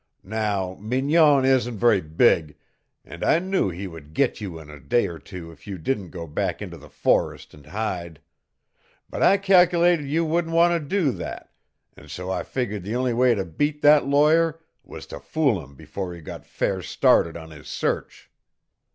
Now, Mignon isn't very big, an' I knew he would git you in a day or two if you didn't go back into the forest and hide. But I cal'lated you wouldn't want to do that, an' so I figgered the only way to beat that lawyer was to fool him before he got fair started on his search.